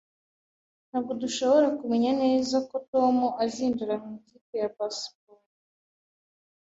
Ntabwo dushobora kumenya neza ko Tom azinjira mu ikipe ya baseball